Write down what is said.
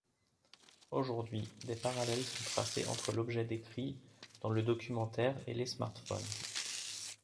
Aujourd'hui, des parallèles sont tracés entre l'objet décrit dans le documentaire, et les smartphones.